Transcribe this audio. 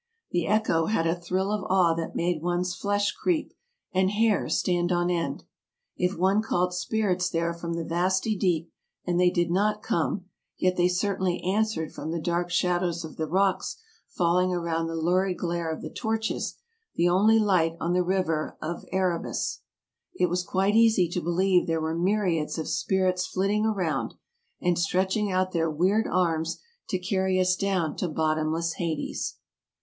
The echo had a thrill of awe that made one's flesh creep and hair stand on end. If one called spirits there from the vasty deep, and they did not come, yet they certainly answered from the dark shadows of the rocks falling around the lurid glare of the torches — the only light on the river of Erebus. It was quite easy to believe there were myriads of spirits flitting around, and stretching out their weird arms to carry us down to bottomless Hades.